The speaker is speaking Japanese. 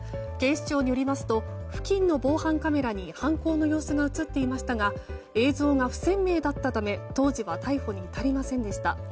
警視庁によりますと付近の防犯カメラに犯行の様子が映っていましたが映像が不鮮明だったため当時は逮捕に至りませんでした。